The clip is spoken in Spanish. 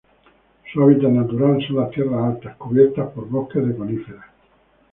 Su hábitat natural son las tierras altas cubiertas por bosques de coníferas.